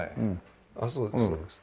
ああそうですそうです。